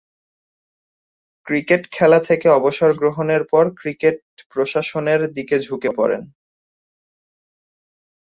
Cricket খেলা থেকে অবসর গ্রহণের পর ক্রিকেট প্রশাসনের দিকে ঝুঁকে পড়েন।